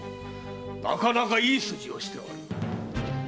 なかなかいい筋をしておる。